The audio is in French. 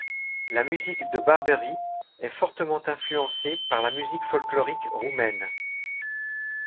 La musique de Barberis est fortement influencée par la musique folklorique roumaine.